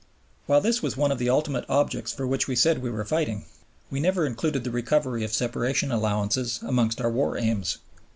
While this was one of the ultimate objects for which we said we were fighting, we never included the recovery of separation allowances amongst our war aims.